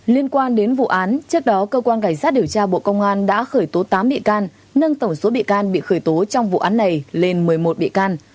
liên quan đến vụ án trước đó cơ quan cảnh sát điều tra bộ công an đã khởi tố tám bị can nâng tổng số bị can bị khởi tố trong vụ án này lên một mươi một bị can